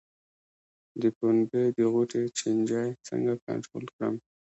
د پنبې د غوټې چینجی څنګه کنټرول کړم؟